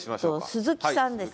鈴木さんです。